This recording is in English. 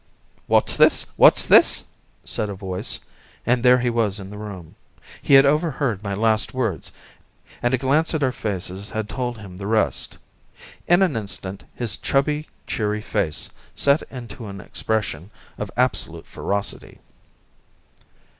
"What's this? What's this?" said a voice, and there he was in the room. He had overheard my last words, and a glance at our faces had told him the rest. In an instant his chubby, cheery face set into an expression of absolute ferocity.